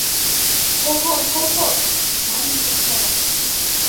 «Колхоз, колхоз!» — манын кычкырат.